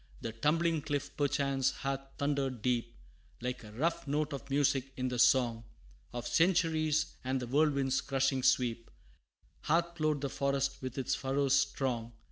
The tumbling cliff perchance hath thundered deep, Like a rough note of music in the song Of centuries, and the whirlwind's crushing sweep, Hath ploughed the forest with its furrows strong.